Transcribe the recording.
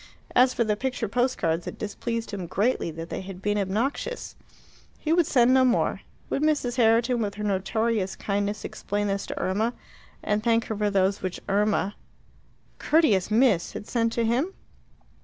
As for the picture post cards, it displeased him greatly that they had been obnoxious. He would send no more. Would Mrs. Herriton, with her notorious kindness, explain this to Irma, and thank her for those which Irma (courteous Miss!) had sent to him?